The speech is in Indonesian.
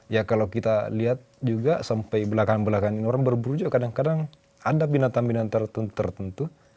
ya kalau kita lihat juga sampai belakang belakang ini orang berburu juga kadang kadang ada binatang binatang tertentu